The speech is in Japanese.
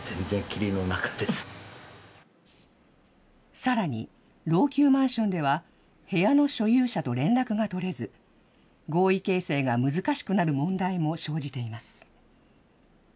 さらに、老朽マンションでは部屋の所有者と連絡が取れず、合意形成が難しくなる問題も生じています。